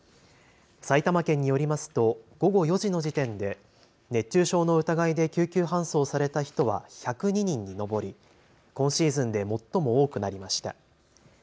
埼玉県によりますと午後４時の時点で熱中症の疑いで救急搬送された人は１０２人に上り今シーズンで最も多くなりました。